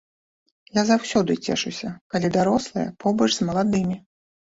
Я заўсёды цешуся, калі дарослыя побач з маладымі.